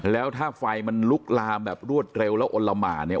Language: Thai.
แล้วถ้าไฟมันลุกลามแบบรวดเร็วแล้วอลละหมานเนี่ย